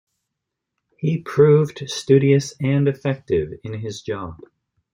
He proved studious and effective in his job.